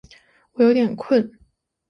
我有点困